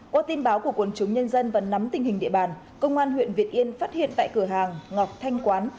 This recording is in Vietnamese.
qua tin báo của quân chúng nhân dân và nắm tình hình địa bàn công an huyện việt yên phát hiện tại cửa hàng ngọc thanh quán